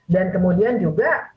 dan kemudian juga